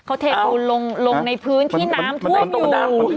เขาเทปูนลงในพื้นที่น้ำท่วมดู